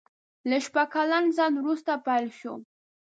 له شپږ کلن ځنډ وروسته پېل شوه.